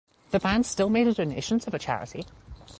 The band still made a donation to the charity.